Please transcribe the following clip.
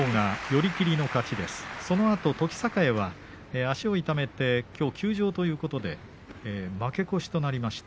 時栄は足を痛めてきょう休場ということで負け越しとなりました。